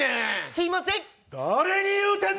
すみません。